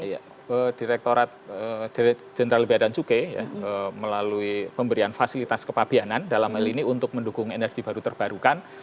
pada saat ini direkturat general biadan cukai melalui pemberian fasilitas kepabianan dalam melini untuk mendukung energi baru terbarukan